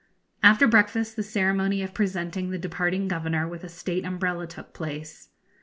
After breakfast the ceremony of presenting the departing Governor with a State umbrella took place.